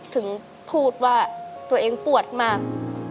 ถึงพูดว่าตัวเองปวดมาก